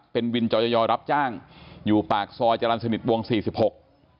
เป็นวินจอยอยรับจ้างอยู่ปากซอยจรรย์สนิทวงสี่สิบหก